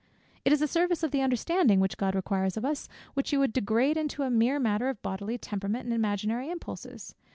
"It is the service of the understanding which God requires of us, which you would degrade into a mere matter of bodily temperament, and imaginary impulses.